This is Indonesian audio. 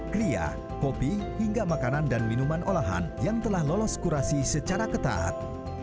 kria kopi hingga makanan dan minuman olahan yang telah lolos kurasi secara ketat